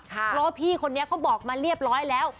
เพราะว่าพี่คนนี้เขาบอกมาเรียบร้อยแล้ว